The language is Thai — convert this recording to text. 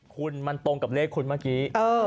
คุณมันตรงกับเลขคุณเมื่อกี้